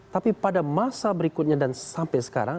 tapi pada masa berikutnya dan sampai sekarang